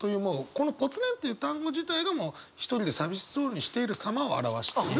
この「ぽつねん」という単語自体が一人で寂しそうにしているさまを表している。